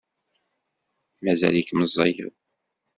Mazal-ik meẓẓiyeḍ.